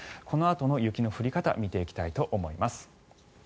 このあとの雪の降り方を見ていきたいと思います。